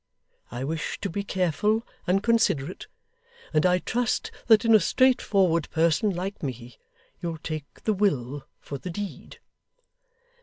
I wish to be careful and considerate, and I trust that in a straightforward person like me, you'll take the will for the deed.